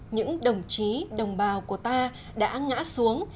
những đồng chí đồng bào của ta đã ngã xuống